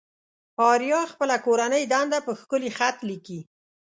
آريا خپله کورنۍ دنده په ښکلي خط ليكي.